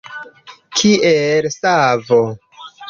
Kiel savo.